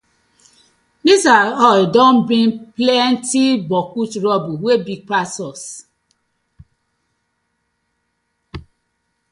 Dis our oil don bring plenti boku toruble wey big pass us.